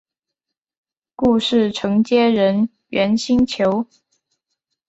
故事承接人猿星球。